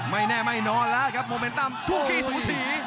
ไม่แน่ไม่นอนแล้วครับโมเมนตัมทุกที่สูสี